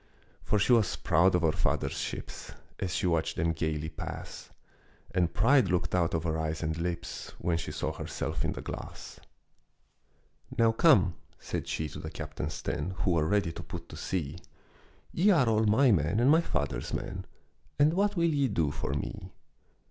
For she was proud of her father's ships, As she watched them gayly pass; And pride looked out of her eyes and lips When she saw herself in the glass. "Now come," she said to the captains ten, Who were ready to put to sea, "Ye are all my men and my father's men, And what will ye do for me?"